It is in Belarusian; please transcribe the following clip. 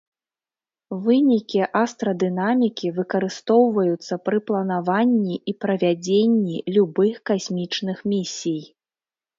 Вынікі астрадынамікі выкарыстоўваюцца пры планаванні і правядзенні любых касмічных місій.